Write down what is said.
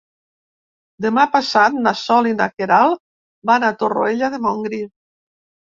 Demà passat na Sol i na Queralt van a Torroella de Montgrí.